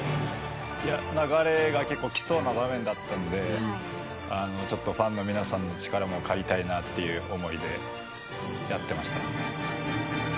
流れが結構来そうな場面だったのでファンの皆さんの力も借りたいなという思いでやってました。